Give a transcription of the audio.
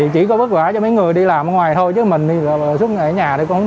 chỉ có bất quả cho mấy người đi làm ở ngoài thôi chứ mình